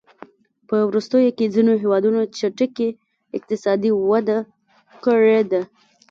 په وروستیو کې ځینو هېوادونو چټکې اقتصادي وده کړې ده.